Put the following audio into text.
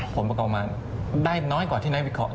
ผลประกอบมาได้น้อยกว่าที่นักวิเคราะห